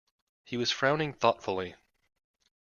He was frowning thoughtfully.